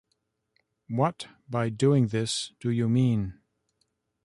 What by doing this do you mean?